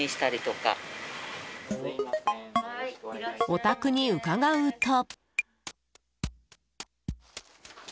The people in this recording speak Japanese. お宅に伺うと。